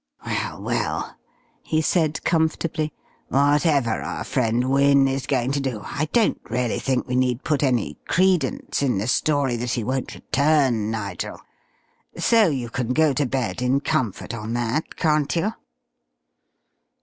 "Well, well," he said comfortably, "whatever our friend Wynne is going to do, I don't really think we need put any credence in the story that he won't return, Nigel. So you can go to bed in comfort on that, can't you?"